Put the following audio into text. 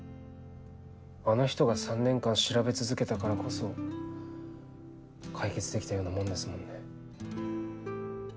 あの人が３年間調べ続けたからこそ解決できたようなもんですもんね。